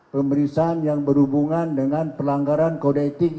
pemeriksaan yang berhubungan dengan pelanggaran kode etik